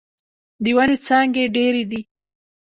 د ونې څانګې ډيرې دې.